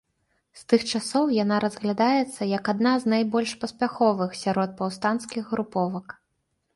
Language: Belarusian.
З тых часоў яна разглядаецца як адна з найбольш паспяховых сярод паўстанцкіх груповак.